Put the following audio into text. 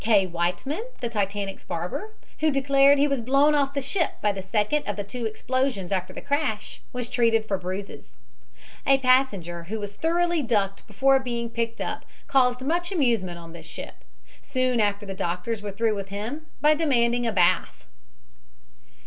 K. Whiteman, the Titanic's barber, who declared he was blown off the ship by the second of the two explosions after the crash, was treated for bruises. A passenger, who was thoroughly ducked before being picked up, caused much amusement on this ship, soon after the doctors were through with him, by demanding a bath.